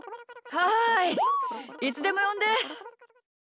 はいいつでもよんで。